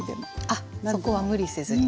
あっそこは無理せずに。